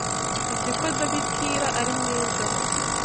Nzi ko Domitira ari mwiza.